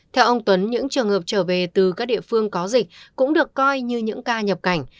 theo ông tuấn những trường hợp trở về từ các địa phương có dịch cũng được coi như những ca nhập cảnh